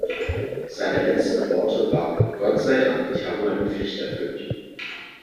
Seine letzten Worte waren "Gott sei Dank, ich habe meine Pflicht erfüllt".